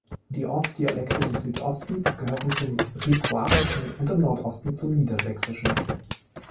Die Ortsdialekte des Südostens gehören zum Ripuarischen und im Nordosten zum Niedersächsischen.